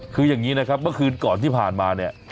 คืออย่างนี้นะครับเมื่อคืนก่อนที่ผ่านมาเนี่ย